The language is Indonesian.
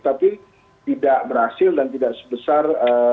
tapi tidak berhasil dan tidak sebesar